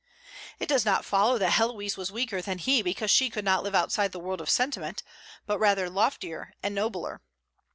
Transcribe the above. It does not follow that Héloïse was weaker than he because she could not live outside the world of sentiment, but rather loftier and nobler.